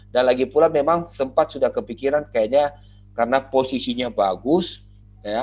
dan lagi pula memang sempat sudah kepikiran kayaknya karena posisinya bagus ya